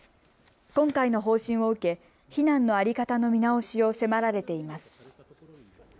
今回の方針を受け避難の在り方の見直しを迫られています。